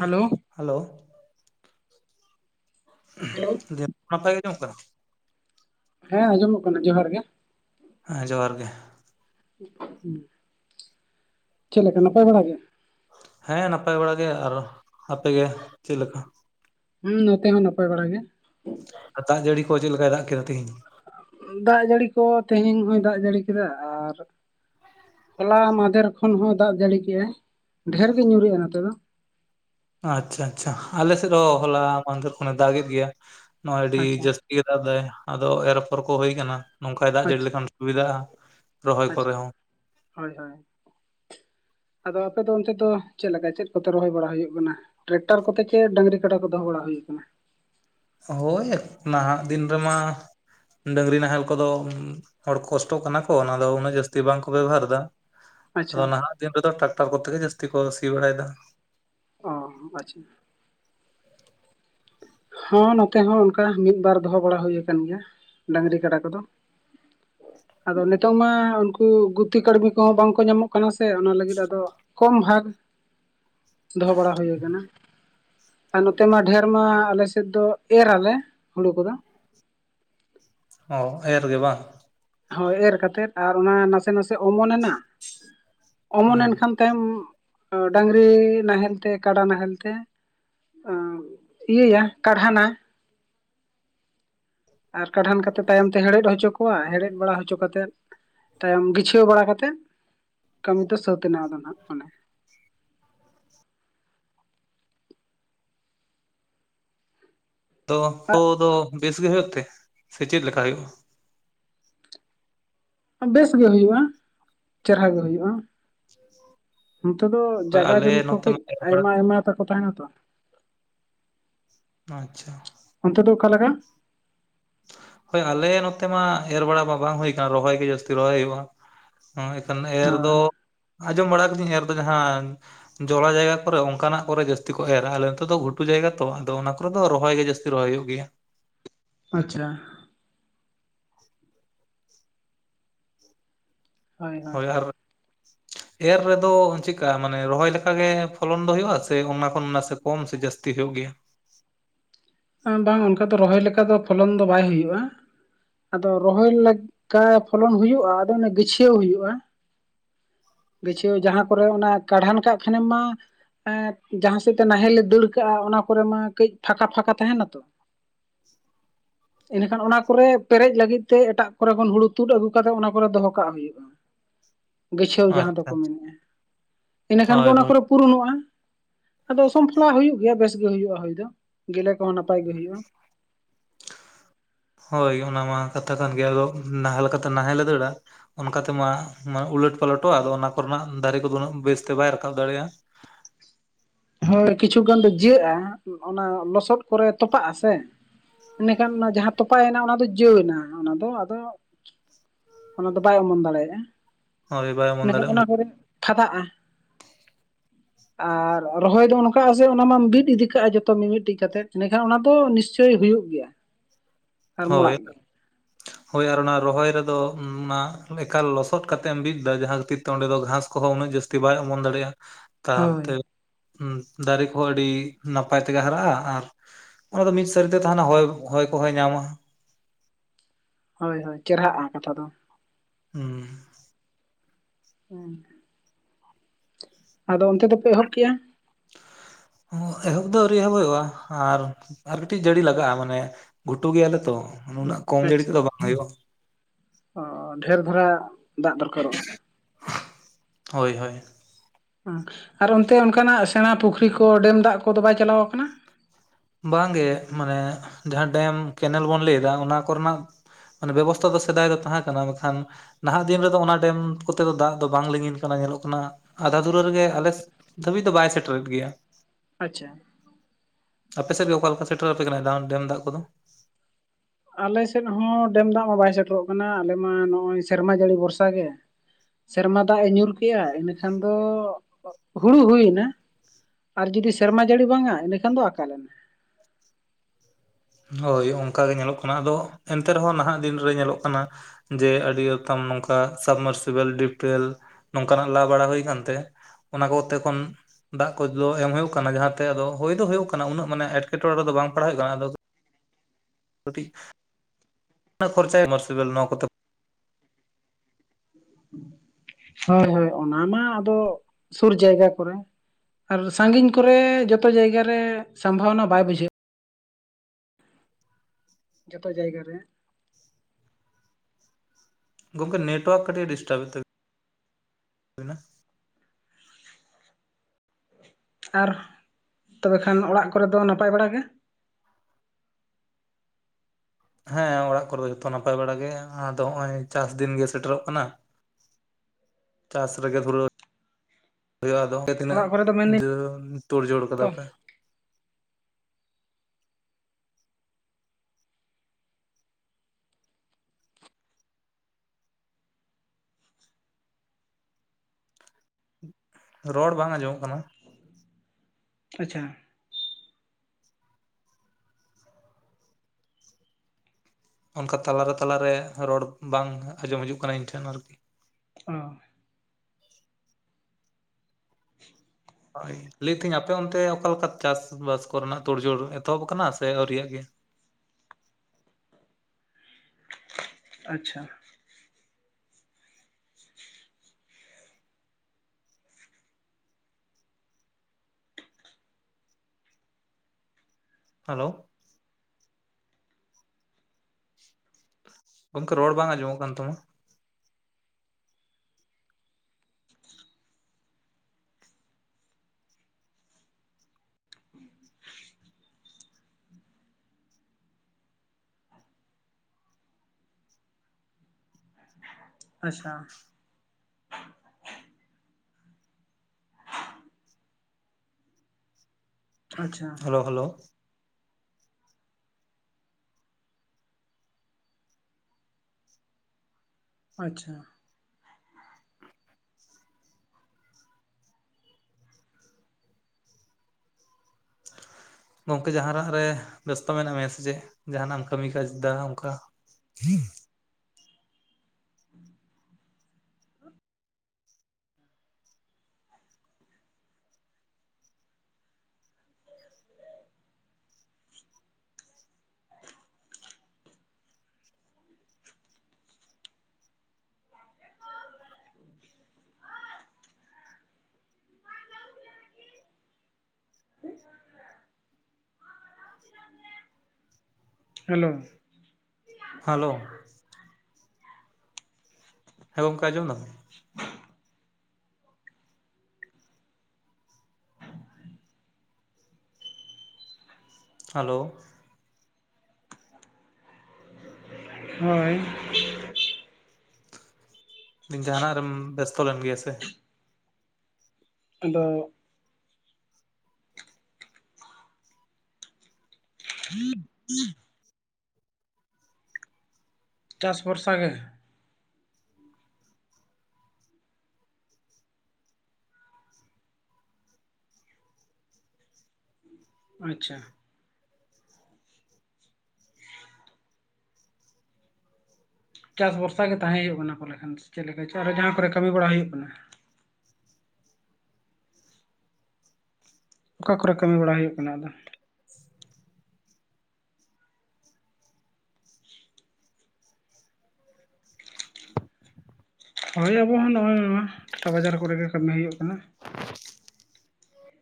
Hello hello. [unintelligible] ᱱᱟᱯᱟᱭ ᱜᱮ ᱟᱸᱡᱚᱢᱚᱜ ᱠᱟᱱᱟ ᱾ ᱦᱮᱸ ᱟᱸᱡᱚᱢᱚᱜ ᱠᱟᱱᱟ ᱡᱚᱦᱟᱨ ᱜᱮ ᱾ ᱦᱟᱸ ᱡᱚᱦᱟᱨ ᱜᱮ ᱾ [unintelligible] ᱪᱮᱫ ᱞᱮᱠᱟ ᱱᱟᱯᱟᱭ ᱵᱟᱲᱟ ᱜᱮ? ᱦᱮᱸ ᱱᱟᱯᱟᱭ ᱵᱟᱲᱟ ᱜᱮ ᱟᱨ ᱟᱯᱮ ᱜᱮ ᱪᱮᱫ ᱞᱮᱠᱟ ᱾ ᱦᱩᱸ ᱱᱚᱛᱮ ᱦᱚᱸ ᱱᱟᱯᱟᱭ ᱵᱟᱲᱟ ᱜᱮ ᱾ ᱟᱨ ᱫᱟᱜᱽ ᱡᱟᱹᱲᱤ ᱠᱚ ᱪᱮᱫ ᱞᱮᱠᱟᱭ ᱫᱟᱜᱽ ᱠᱮᱫᱟ ᱛᱮᱦᱮᱸᱧ ᱾ ᱫᱟᱜᱽ ᱡᱟᱹᱲᱤ ᱠᱚ ᱛᱮᱦᱮᱸᱧ ᱦᱚᱭ ᱫᱟᱜᱽ ᱡᱟᱹᱲᱤ ᱠᱮᱫᱟ ᱟᱨ ᱦᱚᱞᱟ ᱢᱟᱸᱫᱷᱮᱨ ᱠᱷᱚᱱ ᱦᱚᱸ ᱫᱟᱜᱽ ᱡᱟᱹᱲᱤ ᱠᱮᱜ-ᱟᱭ ᱰᱷᱮᱨ ᱜᱮ ᱧᱩᱨᱮᱜ-ᱟ ᱱᱚᱛᱮ ᱫᱚ ᱾ ᱟᱪᱪᱷᱟ ᱟᱪᱪᱷᱟ ᱟᱞᱮᱥᱮᱫ ᱦᱚᱸ ᱦᱚᱞᱟ ᱢᱟᱸᱦᱫᱷᱮᱨ ᱠᱷᱚᱱᱮ ᱫᱟᱜᱮᱫ ᱜᱮᱭᱟ ᱱᱚᱜᱚᱭ ᱟᱹᱰᱤ ᱟᱪᱪᱷᱟ ᱡᱟᱹᱥ [unintelligible] ᱟᱫᱚ ᱮᱨᱯᱷᱚᱨ ᱠᱚ ᱦᱩᱭ ᱟᱠᱟᱱᱟ ᱱᱚᱝᱠᱟᱭ ᱫᱟᱜᱽ ᱡᱟᱹᱲᱤ ᱟᱪᱪᱷᱟ ᱞᱮᱠᱷᱟᱱ ᱥᱩᱵᱤᱫᱷᱟᱜ-ᱟ ᱾ ᱟᱪᱪᱷᱟ ᱦᱚᱭ ᱦᱚᱭ ᱾ ᱟᱫᱚ ᱟᱯᱮ ᱫᱚ ᱚᱱᱛᱮ ᱫᱚ ᱪᱮᱫ ᱞᱮᱠᱟ ᱪᱮᱫ ᱠᱚᱛᱮ ᱨᱚᱦᱚᱭ ᱵᱟᱲᱟ ᱦᱩᱭᱩᱜ ᱠᱟᱱᱟ ᱾ ᱴᱨᱮᱠᱴᱟᱨ ᱠᱚᱛᱮ ᱠᱮ ᱰᱟᱹᱝᱜᱨᱤ ᱠᱟᱰᱟ ᱠᱚ ᱫᱚᱦᱚ ᱵᱟᱲᱟ ᱦᱩᱭ ᱟᱠᱟᱱᱟ ᱾ ᱦᱚᱭ ᱱᱟᱦᱟᱜ ᱫᱤᱱ ᱨᱮᱢᱟ ᱾ ᱰᱟᱹᱝᱜᱨᱤ ᱱᱟᱦᱮᱞ ᱠᱚᱫᱚ ᱦᱚᱲ ᱠᱚᱥᱴᱚᱜ ᱠᱟᱱᱟ ᱠᱚ ᱚᱱᱟ ᱫᱚ ᱩᱱᱟᱹᱜ ᱡᱟᱹᱥᱛᱤ ᱵᱟᱝᱠᱚ ᱵᱮᱵᱷᱟᱨ ᱮᱫᱟ ᱾ ᱟᱪᱪᱷᱟ ᱟᱫᱚ ᱱᱟᱦᱟᱜ ᱫᱤᱱ ᱨᱮᱫᱚ ᱴᱨᱟᱠᱴᱟᱨ ᱠᱚᱛᱮ ᱜᱮ ᱡᱟᱹᱥᱛᱤ ᱠᱚ ᱥᱤ ᱵᱟᱲᱟᱭᱮᱫᱟ ᱾ ᱚᱸ ᱟᱪᱪᱷᱟ ᱾ ᱦᱚᱸ ᱱᱚᱛᱮ ᱦᱚᱸ ᱚᱱᱠᱟ ᱢᱤᱫᱵᱟᱨ ᱫᱚᱦᱚ ᱵᱟᱲᱟ ᱦᱩᱭ ᱟᱠᱟᱱ ᱜᱮᱭᱟ ᱰᱟᱹᱝᱜᱨᱤ ᱠᱟᱰᱟ ᱠᱚᱫᱚ ᱾ ᱟᱫᱚ ᱱᱤᱛᱚᱝ ᱢᱟ ᱩᱱᱠᱩ ᱜᱩᱛᱤ ᱠᱟᱹᱲᱢᱤ ᱠᱚᱦᱚᱸ ᱵᱟᱝ ᱠᱚ ᱧᱟᱢᱚᱜ ᱠᱟᱱᱟ ᱥᱮ ᱚᱱᱟ ᱞᱟᱹᱜᱤᱫ ᱟᱫᱚ ᱠᱚᱢ ᱵᱷᱟᱜ ᱾ ᱫᱚᱦᱚ ᱵᱟᱲᱟ ᱦᱩᱭ ᱟᱠᱟᱱᱟ, ᱟᱨ ᱱᱚᱛᱮ ᱢᱟ ᱰᱷᱮᱨ ᱢᱟ ᱟᱞᱮ ᱥᱮᱫ ᱫᱚ ᱮᱨᱟᱞᱮ ᱦᱩᱲᱩ ᱠᱚᱫᱚ ᱾ ᱚ ᱮᱨ ᱜᱮ ᱵᱟᱝ ᱾ ᱦᱚᱭ ᱮᱨ ᱠᱟᱛᱮᱫ ᱟᱨ ᱚᱱᱟ ᱱᱟᱥᱮ ᱱᱟᱥᱮ ᱚᱢᱚᱱ ᱮᱱᱟ᱾ ᱚᱢᱚᱱ ᱦᱩᱸ ᱮᱱ ᱠᱷᱟᱱ ᱛᱟᱭᱚᱢ ᱰᱟᱹᱝᱜᱨᱤ ᱱᱟᱦᱮᱞ ᱛᱮ, ᱠᱟᱰᱟ ᱱᱟᱦᱮᱞ ᱛᱮ ᱾ [unintelligible] ᱤᱭᱟᱹᱭᱟ ᱠᱟᱰᱷᱟᱱᱟᱭ ᱾ ᱟᱨ ᱠᱟᱰᱷᱟᱱ ᱠᱟᱛᱮᱫ ᱛᱟᱭᱚᱢ ᱛᱮ ᱦᱮᱲᱦᱮᱫ ᱦᱚᱪᱚ ᱠᱚᱣᱟ᱾ ᱦᱮᱲᱦᱮᱫ ᱵᱟᱲᱟ ᱦᱚᱪᱚ ᱠᱟᱛᱮᱫ ᱾ ᱛᱟᱭᱚᱢ ᱜᱤᱪᱷᱟᱹᱣ ᱵᱟᱲᱟ ᱠᱟᱛᱮᱫ, ᱠᱟᱹᱢᱤ ᱫᱚ ᱥᱟᱹᱛ ᱮᱱᱟ ᱟᱫᱚ ᱦᱟᱜ ᱟᱱᱮ ᱾ ᱛᱚᱯᱳ [unintelligible] ᱫᱚ ᱵᱮᱥ ᱜᱮ ᱦᱳᱭᱳᱜ ᱛᱮ ᱥᱮ ᱪᱮᱫ ᱞᱮᱠᱟ ᱦᱳᱭᱳᱜ-ᱟ ᱾ ᱵᱮᱥ ᱜᱮ ᱦᱳᱭᱳᱜᱼᱟ, ᱪᱮᱨᱦᱟᱸ ᱜᱮ ᱦᱳᱭᱳᱜᱼᱟ᱾ ᱱᱚᱛᱮ ᱫᱚ ᱦᱳᱭ ᱡᱟᱭᱜᱟ ᱟᱞᱮ ᱡᱩᱢᱤ ᱠᱚ ᱱᱚᱛᱮ ᱠᱟᱹᱡ ᱢᱟ ᱮᱨ ᱵᱟᱲᱟ ᱟᱭᱢᱟ ᱟᱭᱢᱟ ᱛᱟᱠᱚ ᱛᱟᱦᱮᱱᱟ ᱛᱚ᱾ ᱟᱪᱪᱷᱟ᱾ ᱚᱱᱛᱮ ᱫᱚ ᱚᱠᱟᱞᱮᱠᱟ ᱾ ᱦᱚᱭ ᱟᱞᱮ ᱱᱚᱛᱮ ᱢᱟ ᱮᱨ ᱵᱟᱲᱟ ᱢᱟ ᱵᱟᱝ ᱦᱩᱭᱩᱜ ᱟᱠᱟᱱᱟ ᱨᱚᱦᱚᱭ ᱜᱮ ᱡᱟᱹᱥᱛᱤ ᱨᱚᱦᱚᱭ ᱦᱩᱭᱩᱜᱼᱟ ᱾ ᱦᱚᱸ ᱮᱱᱠᱷᱟᱱ ᱮᱨ ᱦᱳᱭ ᱫᱚ ᱟᱸᱡᱚᱢ ᱵᱟᱲᱟ ᱠᱟᱹᱫᱤᱧ ᱮᱨ ᱫᱚ ᱡᱟᱦᱟᱸ ᱡᱚᱲᱟ ᱡᱟᱭᱜᱟ ᱠᱚᱨᱮ ᱚᱱᱠᱟᱱᱟᱜ ᱠᱚᱨᱮ ᱡᱟᱹᱥᱛᱤ ᱠᱚ ᱮᱨᱟ ᱟᱞᱮ ᱱᱚᱛᱮ ᱫᱚ ᱜᱷᱩᱴᱩ ᱡᱟᱭᱜᱟ ᱛᱚ ᱟᱫᱚ ᱚᱱᱟ ᱠᱚᱨᱮ ᱫᱚ ᱨᱚᱦᱚᱭ ᱜᱮ ᱡᱟᱹᱥ ᱛᱤ ᱨᱚᱦᱚᱭ ᱦᱩᱭᱩᱜ ᱜᱮᱭᱟ ᱾ ᱟᱪᱪᱷᱟ ᱾ ᱦᱳᱭ ᱦᱚᱭ ᱦᱳᱭ ᱟᱨ ᱮᱨ ᱨᱮᱫᱚ ᱪᱮᱜᱠᱟ ᱢᱟᱱᱮ ᱨᱚᱦᱚᱭ ᱞᱮᱠᱟᱜ ᱜᱮ ᱯᱷᱚᱞᱚᱱ ᱫᱚ ᱦᱳᱭᱳᱜᱼᱟ ᱥᱮ ᱚᱱᱟ ᱠᱷᱚᱱ ᱱᱟᱥᱮ ᱠᱚᱢ ᱥᱮ ᱡᱟᱹᱥᱛᱤ ᱦᱩᱭᱩᱜ ᱜᱮᱭᱟ ᱾ ᱵᱟᱝ ᱚᱱᱠᱟ ᱫᱚ ᱨᱚᱦᱚᱭ ᱞᱮᱠᱟ ᱫᱚ ᱯᱷᱚᱞᱚᱱ ᱫᱚ ᱵᱟᱭ ᱦᱩᱭᱩᱜ-ᱟ᱾ ᱟᱫᱚ ᱨᱚᱦᱚᱭ ᱞᱮᱠᱠᱟ ᱯᱷᱚᱞᱚᱱ ᱦᱩᱭᱩᱜ-ᱟ, ᱟᱫᱚ ᱚᱱᱮ ᱜᱟᱹᱪ ᱪᱷᱟᱹᱭᱟᱹᱣ ᱦᱩᱭᱩᱜ-ᱟ᱾ ᱜᱟᱹᱪ ᱪᱷᱟᱹᱭᱟᱹᱣ ᱡᱟᱦᱟᱸ ᱠᱚᱨᱮ ᱚᱱᱟ ᱠᱟᱰᱷᱟᱱ ᱠᱟᱜ ᱠᱷᱟᱱᱮᱢ ᱢᱟ ᱮᱸ ᱡᱟᱦᱟᱸ ᱥᱮᱫ ᱛᱮ ᱱᱟᱦᱮᱞ ᱞᱮ ᱫᱟᱹᱲ ᱠᱟᱜ-ᱟ ᱚᱱᱟ ᱠᱚᱨᱮ ᱢᱟ ᱠᱟᱹᱡ ᱯᱷᱟᱸᱠᱟ ᱯᱷᱟᱸᱠᱟ ᱛᱟᱦᱮᱸᱱᱟ ᱛᱚ᱾ [inaudible] ᱮᱸᱰᱮᱠᱷᱟᱱ ᱚᱱᱟ ᱠᱚᱨᱮ ᱯᱮᱨᱮᱡ ᱞᱟᱹᱜᱤᱫ ᱛᱮ ᱮᱴᱟᱜ ᱠᱚᱨᱮ ᱠᱷᱚᱱ ᱦᱩᱲᱩ ᱛᱩᱫ ᱟᱹᱜᱩ ᱠᱟᱛᱮᱜ ᱚᱱᱟ ᱠᱚᱨᱮ ᱫᱚᱦᱚ ᱠᱟᱜ ᱦᱩᱭᱩᱜ-ᱟ᱾ [inaudible] ᱜᱟᱹᱪᱷᱟᱹᱣ ᱡᱟᱦᱟᱸ ᱟᱪᱪᱷᱟ ᱫᱚᱠᱚ ᱢᱮᱱᱮᱫ-ᱟ᱾ ᱤᱱᱟᱹ ᱠᱷᱟᱱ ᱜᱮ ᱦᱳᱭ ᱦᱳᱭ ᱚᱱᱟ ᱠᱚᱨᱮ ᱯᱩᱨᱩᱱᱚᱜ-ᱟ᱾ ᱟᱫᱚ ᱥᱚᱢᱯᱷᱚᱱᱟᱜ ᱦᱩᱭᱩᱜ ᱜᱮᱭᱟ ᱵᱮᱥ ᱜᱮ ᱦᱩᱭᱩᱜ-ᱟ ᱦᱩᱭ ᱫᱚ ᱜᱮᱞᱮ ᱠᱚ ᱱᱟᱯᱟᱭ ᱜᱮ ᱦᱩᱭᱩᱜ-ᱟ᱾ ᱦᱳᱭ ᱚᱱᱟ ᱢᱟ ᱠᱟᱛᱷᱟ ᱠᱟᱱ ᱜᱮᱭᱟ, ᱟᱫᱚ ᱱᱟᱦᱮᱞ ᱞᱮᱠᱟᱛᱮ ᱱᱟᱦᱮᱞ ᱞᱮ ᱫᱟᱹᱲᱟ᱾ ᱚᱱᱠᱟ ᱛᱮᱢᱟ ᱢᱟ ᱩᱞᱟᱹᱴ ᱯᱟᱞᱚᱴᱚᱜ-ᱟ, ᱟᱫᱚ ᱚᱱᱟ ᱠᱚᱨᱮᱱᱟᱜ ᱫᱟᱨᱮ ᱠᱚᱫᱚ ᱩᱱᱟᱹᱜ ᱵᱮᱥᱛᱮ ᱵᱟᱭ ᱨᱟᱠᱟᱵ ᱫᱟᱲᱮᱭᱟᱜ᱾ ᱦᱳᱭ ᱠᱤᱪᱷᱩ ᱜᱟᱱ ᱫᱚ ᱡᱟᱹᱜ-ᱟ, ᱚᱱᱟ ᱞᱚᱥᱚᱫ ᱠᱚᱨᱮ ᱛᱚᱯᱟᱜ ᱟᱥᱮ᱾ ᱤᱱᱟᱹᱠᱷᱟᱱ ᱚᱱᱟ ᱡᱟᱦᱟᱸ ᱛᱚᱯᱟᱭᱮᱱᱟ ᱚᱱᱟ ᱫᱚ ᱡᱟᱹᱣ ᱮᱱᱟ᱾ ᱚᱱᱟ ᱫᱚ ᱟᱫᱚ ᱚᱱᱟ ᱫᱚ ᱵᱟᱭ ᱚᱢᱚᱱ ᱫᱟᱲᱮᱭᱟᱜ-ᱟ᱾ ᱦᱳᱭ ᱵᱟᱭ ᱚᱢᱚᱱ ᱤᱱᱟᱹ ᱠᱷᱟᱱ ᱫᱟᱲᱮᱭᱟᱜᱼᱟ ᱚᱱᱟ ᱠᱚᱨᱮ ᱠᱷᱟᱫᱟᱜ-ᱟ᱾ ᱟᱨ [inaudible] ᱨᱚᱦᱚᱭ ᱫᱚ ᱚᱱᱠᱟᱜ-ᱟ ᱥᱮ ᱚᱱᱟ ᱢᱟᱢ ᱵᱤᱫ ᱤᱫᱤ ᱠᱟᱜ-ᱟ ᱡᱚᱛᱚ ᱢᱤᱢᱤᱫᱴᱤᱡ ᱠᱟᱛᱮᱫ ᱤᱱᱟᱹᱠᱷᱟᱱ ᱚᱱᱟ ᱫᱚ ᱱᱤᱥᱪᱚᱭ ᱦᱩᱭᱩᱜ ᱜᱮᱭᱟ᱾ ᱟᱨ ᱦᱳᱭ ᱢᱚᱲᱟᱜ ᱜᱮ ᱦᱳᱭ ᱟᱨ ᱚᱱᱟ ᱨᱚᱦᱚᱭ ᱨᱮᱫᱚ ᱚᱱᱟ ᱮᱠᱟᱞ ᱞᱚᱥᱚᱫ ᱠᱟᱛᱮ ᱮᱢ ᱵᱤᱫ ᱫᱟ᱾ ᱡᱟᱦᱟᱸ ᱠᱷᱟᱹᱛᱤᱨ ᱛᱮ ᱚᱸᱰᱮ ᱫᱚ ᱜᱷᱟᱥ ᱠᱚᱦᱚᱸ ᱩᱱᱟᱹᱜ ᱡᱟᱹᱥᱛᱤ ᱵᱟᱭ ᱚᱢᱚᱱ ᱫᱟᱲᱮᱭᱟᱜ-ᱟ, ᱦᱳᱭ ᱛᱟᱦᱟᱸᱛᱮ ᱫᱟᱨᱮ ᱠᱚᱦᱚᱸ ᱟᱹᱰᱤ ᱱᱟᱯᱟᱭ ᱛᱮᱜᱮ ᱦᱟᱨᱟᱜ-ᱟ ᱟᱨ ᱚᱱᱟ ᱫᱚ ᱢᱤᱫ ᱥᱟᱹᱨᱤᱛᱮ ᱛᱟᱦᱮᱸᱱᱟ ᱦᱚᱭ ᱦᱚᱭ ᱠᱚᱦᱚᱭ ᱧᱟᱢᱟ᱾ ᱦᱳᱭ ᱦᱳᱭ ᱪᱮᱨᱦᱟᱜ-ᱟ ᱠᱟᱛᱷᱟ ᱫᱚ᱾ ᱦᱩᱸ ᱦᱮᱸ ᱟᱫᱚ ᱚᱱᱛᱮ ᱫᱚᱯᱮ ᱮᱦᱚᱵ ᱠᱮᱜ-ᱟ? ᱮᱦᱚᱵ ᱫᱚ ᱟᱹᱣᱨᱤ ᱮᱦᱚᱵ ᱦᱩᱭᱩᱜ-ᱟ ᱟᱨ ᱟᱨ ᱠᱟᱹᱴᱤᱡ ᱡᱟᱹᱲᱤ ᱞᱟᱜᱟᱜ-ᱟ᱾ ᱢᱟᱱᱮ ᱜᱷᱩᱴᱩ ᱜᱮᱭᱟᱞᱮ ᱛᱚ ᱱᱩᱱᱟᱹᱜ ᱠᱚᱢ ᱡᱟᱹᱲᱤ ᱛᱮᱫᱚ ᱵᱟᱝ ᱦᱩᱭᱩᱜ-ᱟ᱾ ᱚᱻ ᱰᱷᱮᱨ ᱫᱷᱟᱨᱟ ᱫᱟᱜ ᱫᱚᱨᱠᱟᱨᱚᱜ-ᱟ᱾ ᱦᱳᱭ ᱦᱳᱭ ᱦᱩᱸ ᱟᱨ ᱚᱱᱛᱮ ᱚᱱᱠᱟᱱᱟᱜ ᱥᱮᱬᱟ ᱯᱩᱠᱷᱨᱤ ᱠᱚ ᱰᱮᱢ ᱫᱟᱜ ᱠᱚᱫᱚ ᱵᱟᱭ ᱪᱟᱞᱟᱣ ᱟᱠᱟᱱᱟ? ᱵᱟᱝᱜᱮ ᱢᱟᱱᱮ ᱡᱟᱦᱟᱸ ᱰᱮᱢ ᱠᱮᱱᱮᱞ ᱵᱚᱱ ᱞᱟᱹᱭᱮᱫᱟ ᱚᱱᱟ ᱠᱚᱨᱮᱱᱟᱜ ᱢᱟᱱᱮ ᱵᱮᱵᱚᱥᱛᱷᱟ ᱫᱚ ᱥᱮᱫᱟᱭ ᱫᱚ ᱛᱟᱦᱮᱸ ᱠᱟᱱᱟ ᱢᱮᱱᱠᱷᱟᱱ ᱱᱟᱦᱟᱜ ᱫᱤᱱ ᱨᱮᱫᱚ ᱚᱱᱟ ᱰᱮᱢ ᱠᱚᱛᱮ ᱫᱚ ᱫᱟᱜ ᱫᱚ ᱵᱟᱝ ᱞᱤᱸᱜᱤᱱ ᱠᱟᱱᱟ ᱧᱮᱞᱚᱜ ᱠᱟᱱᱟ᱾ ᱟᱫᱷᱟ ᱫᱷᱩᱨᱟᱹ ᱨᱮᱜᱮ ᱟᱞᱮ ᱫᱷᱟᱹᱵᱤᱡ ᱫᱚ ᱵᱟᱭ ᱥᱮᱴᱮᱨᱮᱫ ᱜᱮᱭᱟ᱾ ᱟᱪᱪᱷᱟ ᱟᱯᱮᱥᱮᱫ ᱨᱮᱜᱮᱡ ᱚᱠᱟ ᱞᱮᱠᱟ ᱥᱮᱫᱟᱭ ᱰᱮᱢ ᱫᱟᱜ ᱠᱚᱫᱚ? ᱟᱞᱮ ᱥᱮᱫ ᱦᱚᱸ ᱰᱮᱢ ᱫᱟᱜ ᱢᱟ ᱵᱟᱭ ᱥᱮᱴᱮᱨᱚᱜ ᱠᱟᱱᱟ᱾ ᱟᱞᱮ ᱢᱟ ᱱᱚᱜᱼᱚᱭ ᱥᱮᱨᱢᱟ ᱡᱟᱹᱲᱤ ᱵᱷᱚᱨᱥᱟ ᱜᱮ᱾ ᱥᱮᱨᱢᱟ ᱫᱟᱜ ᱮ ᱧᱩᱨ ᱠᱮᱭᱟ ᱤᱱᱟᱹᱠᱷᱟᱱ ᱫᱚ ᱦᱩᱲᱩ ᱦᱩᱭ ᱮᱱᱟ᱾ ᱟᱨ ᱡᱩᱫᱤ ᱥᱮᱨᱢᱟ ᱡᱟᱹᱲᱤ ᱵᱟᱝᱟ᱾ ᱤᱱᱟᱹ ᱠᱷᱟᱱ ᱫᱚ ᱟᱠᱟ ᱞᱮᱱᱟ᱾ ᱦᱳᱭ ᱚᱱᱠᱟ ᱜᱮ ᱧᱮᱞᱚᱜ ᱠᱟᱱᱟ, ᱟᱫᱚ ᱮᱱᱛᱮ ᱨᱮᱦᱚᱸ ᱱᱟᱦᱟᱜ ᱫᱤᱱ ᱨᱮ ᱧᱮᱞᱚᱜ ᱠᱟᱱᱟ᱾ ᱡᱮ ᱟᱹᱰᱤ ᱟᱛᱟᱢ ᱱᱚᱝᱠᱟ ᱥᱟᱵᱢᱟᱨᱥᱤᱵᱮᱞ ᱰᱤᱯᱴᱮᱞ ᱱᱚᱝᱠᱟᱱᱟᱜ ᱞᱟ ᱵᱟᱲᱟ ᱦᱩᱭ ᱟᱠᱟᱱᱛᱮ? ᱚᱱᱟ ᱠᱚᱛᱮ ᱠᱷᱚᱱᱚᱱ ᱫᱟᱜ ᱠᱚ ᱮᱢ ᱦᱩᱭᱩᱜ ᱠᱟᱱᱟ ᱡᱟᱦᱟᱸ ᱟᱫᱚ ᱦᱩᱭᱳᱭ ᱫᱚ ᱦᱩᱭᱩᱜ ᱠᱟᱱᱟ, ᱩᱱᱟᱹᱜ ᱢᱟᱱᱮ ᱮᱴᱠᱮᱴᱚᱬᱮ ᱨᱮᱫᱚ ᱵᱟᱝ ᱯᱟᱲᱦᱟᱣ ᱦᱩᱭᱩᱜ ᱠᱟᱱᱟ᱾ ᱟᱫᱚᱼᱼᱼ ᱠᱟᱹ [unintelligible] [unintelligible] ᱦᱳᱭ - ᱦᱳᱭ ᱚᱱᱟ ᱢᱟ ᱟᱫᱚ ᱥᱩᱨ ᱡᱟᱭᱜᱟ ᱠᱚᱨᱮ᱾ ᱟᱨ ᱥᱟᱺᱜᱤᱧ ᱠᱚᱨᱮ ᱡᱚᱛᱚ ᱡᱟᱭᱜᱟ ᱨᱮ ᱥᱚᱢᱵᱷᱟᱵᱚᱱᱟ ᱵᱟᱭ ᱵᱩᱡᱷᱟᱹᱜᱼᱟ᱾ ᱡᱚᱛᱚ ᱡᱟᱭᱜᱟ ᱨᱮ ᱜᱚᱝᱠᱮ ᱱᱮᱴᱣᱳᱠ ᱠᱟᱴᱤᱡ ᱮ ᱰᱤᱥᱴᱟᱵᱽ ᱮᱛ ᱛᱟᱵᱤᱱᱟ᱾ [unintelligible] ᱟᱨ ᱛᱚᱵᱮ ᱠᱷᱟᱱ ᱚᱲᱟᱜ ᱠᱚᱨᱮ ᱫᱚ, ᱱᱟᱯᱟᱭ ᱵᱟᱲᱟ ᱜᱮ? ᱦᱮᱸ ᱚᱲᱟᱜ ᱠᱚᱨᱮᱫᱚ ᱡᱚᱛᱚ ᱱᱟᱯᱟᱭ ᱵᱟᱲᱟ ᱜᱮ, ᱟᱫᱚ ᱱᱚᱜᱼᱚᱭ ᱪᱟᱥ ᱫᱤᱱ ᱜᱮ ᱥᱮᱴᱮᱨᱚᱜ ᱠᱟᱱᱟ᱾ ᱪᱟᱥ ᱨᱮᱜᱮ ᱫᱷᱩᱨᱟᱹ ᱦᱩᱭᱩᱜᱼᱟ᱾ [unintelligible] ᱛᱤᱱᱟᱹᱜ ᱚᱲᱟᱜ ᱠᱚᱨᱮ ᱫᱚ ᱢᱮᱱᱫᱟᱹᱧ ᱛᱳᱲ ᱡᱳᱲ ᱠᱟᱫᱟ ᱛᱚ ᱯᱮ᱾ ᱨᱚᱲ ᱵᱟᱝ ᱟᱸᱡᱚᱢᱚᱜ ᱠᱟᱱᱟ᱾ ᱟᱪᱪᱷᱟ ᱚᱱᱠᱟ ᱛᱟᱞᱟᱨᱮ - ᱛᱟᱞᱟᱨᱮ ᱨᱚᱲ ᱵᱟᱝ ᱟᱸᱡᱚᱢ ᱦᱤᱡᱩᱜ ᱠᱟᱱᱟ ᱤᱧ ᱴᱷᱮᱱ ᱟᱨᱠᱤ᱾ ᱚ [inaudible] ᱦᱳᱭ ᱞᱟᱹᱭᱮᱫᱤᱧ ᱛᱟᱦᱞᱮ ᱟᱯᱮ ᱚᱱᱛᱮ ᱚᱠᱟᱞᱠᱟ, ᱪᱟᱥᱵᱟᱥ ᱠᱚᱨᱮᱱᱟᱜ ᱛᱩᱲ-ᱡᱳᱲ ᱮᱛᱚᱦᱚᱵ ᱟᱠᱟᱱᱟ, ᱥᱮ ᱟᱹᱣᱨᱤᱭᱟᱼᱜ ᱜᱮᱭᱟ᱾ ᱟᱪᱪᱷᱟ ᱦᱮᱞᱳ ᱜᱚᱝᱠᱮ ᱨᱚᱲ ᱵᱟᱝ ᱟᱸᱡᱚᱢᱚᱼᱜ ᱠᱟᱱ ᱛᱟᱢᱟ᱾ ᱟᱪᱪᱷᱟᱼᱼ ᱟᱪᱪᱷᱟ ᱦᱮᱞᱳ, ᱦᱮᱞᱳ ᱟᱪᱪᱷᱟ [inaudible] ᱜᱚᱝᱠᱮ ᱡᱟᱦᱟᱱᱟᱼᱜ ᱨᱮ ᱵᱮᱥᱛᱚ ᱢᱮᱱᱟᱜ ᱢᱮᱭᱟ ᱥᱮ ᱪᱮᱫ, ᱡᱟᱦᱟᱱᱟᱜ ᱮᱢ ᱠᱟᱹᱢᱤ ᱠᱟᱡᱽ ᱫᱟ ᱚᱱᱠᱟ᱾ [inaudible] ᱦᱮᱞᱳ ᱦᱮᱞᱳ ᱦᱮᱸ ᱜᱚᱝᱠᱮ ᱟᱡᱚᱢᱫᱟᱢ᱾ ᱦᱮᱞᱳ ᱦᱳᱭ ᱫᱤᱱ ᱡᱟᱦᱟᱱᱟᱼᱜ ᱨᱮᱢ ᱵᱮᱥᱛᱚ ᱞᱮᱱ ᱜᱮᱭᱟ ᱥᱮ᱾ ᱟᱫᱚ [inaudible] ᱪᱟᱥ ᱵᱷᱚᱨᱥᱟ ᱜᱮ᱾ ᱟᱪᱪᱷᱟ ᱪᱟᱥ ᱵᱷᱚᱨᱥᱟ ᱜᱮ ᱛᱟᱦᱮᱸ ᱦᱩᱭᱩᱜ ᱠᱟᱱᱟ᱾ ᱯᱟᱞᱮ ᱠᱷᱟᱱ ᱪᱮᱫ ᱞᱮᱠᱟ ᱪᱚ ᱟᱨᱚ ᱡᱟᱦᱟᱸ ᱠᱚᱨᱮ ᱠᱟᱹᱢᱤ ᱵᱟᱲᱟ᱾ ᱦᱩᱭᱩᱜ ᱠᱟᱱᱟ ᱚᱠᱟ ᱠᱚᱨᱮ ᱠᱟᱹᱢᱤ ᱵᱟᱲᱟ ᱦᱩᱭᱩᱜ ᱠᱟᱱᱟ ᱟᱫᱚ? ᱦᱳᱭ ᱟᱵᱚ ᱦᱚᱸ ᱱᱚᱜᱼᱚᱭ ᱱᱚᱣᱟ ᱴᱟᱴᱟ ᱵᱟᱡᱟᱨ ᱠᱚᱨᱮ ᱜᱮ ᱠᱟᱹᱢᱤ ᱦᱩᱭᱩᱜ ᱠᱟᱱᱟ᱾